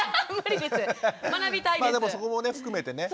まあでもそこも含めてね。